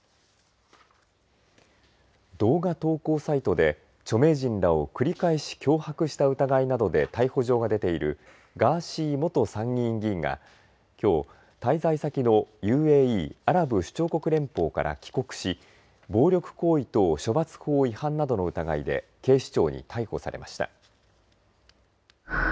動画投稿サイトで著名人らを繰り返し脅迫した疑いなどで逮捕状が出ているガーシー元参議院議員がきょう滞在先のＵＡＥ＝アラブ首長国連邦から帰国し暴力行為等処罰法違反などの疑いで警視庁に逮捕されました。